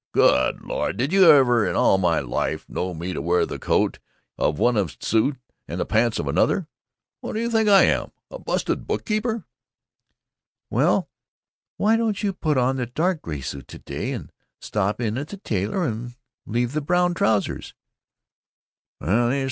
"Good Lord! Did you ever in all my life know me to wear the coat of one suit and the pants of another? What do you think I am? A busted bookkeeper?" "Well, why don't you put on the dark gray suit to day, and stop in at the tailor and leave the brown trousers?"